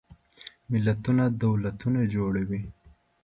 ملتونه دولتونه جوړوي.